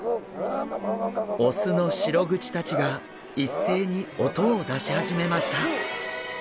オスのシログチたちが一斉に音を出し始めました。